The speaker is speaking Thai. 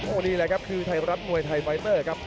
นี่แหละครับคือไทยรัฐมวยไทยไฟเตอร์ครับ